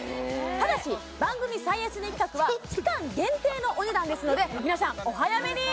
ただし番組最安値企画は期間限定のお値段ですので皆さんお早めに！